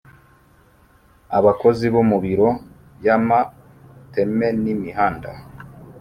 abakozi bo mubiro byamateme n' imihanda